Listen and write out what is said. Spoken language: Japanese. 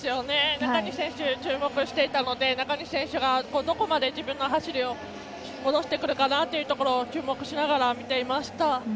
中西選手に注目していたので中西選手がどこまで自分の走りを戻してくるかに注目しながら見ていました。